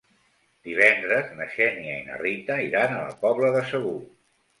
Divendres na Xènia i na Rita iran a la Pobla de Segur.